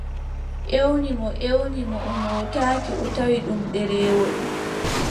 Ƴewni mo ƴewni mo, o nootaaki, o tawi ɗum ɗereewol.